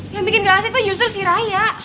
yang bikin gak asik kok justru si raya